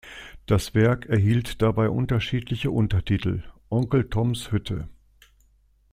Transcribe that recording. Das Werk erhielt dabei unterschiedliche Untertitel: "Onkel Toms Hütte.